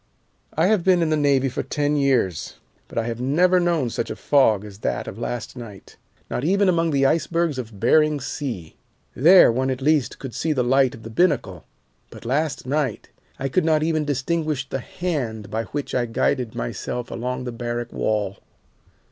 I have been in the Navy for ten years, but I have never known such a fog as that of last night, not even among the icebergs of Behring Sea. There one at least could see the light of the binnacle, but last night I could not even distinguish the hand by which I guided myself along the barrack wall.